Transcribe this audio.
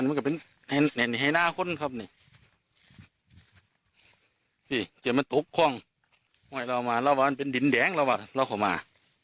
เอาไปดูค่ะ